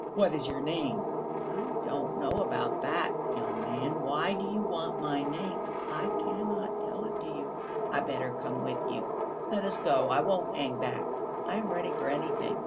What is your name?" "I don't know about that, young man; why do you want my name?... I cannot tell it you.... I better come with you. Let us go; I won't hang back; I am ready for anything....